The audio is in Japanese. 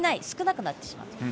少なくなってしまう。